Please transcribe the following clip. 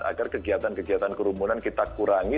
agar kegiatan kegiatan kerumunan kita kurangi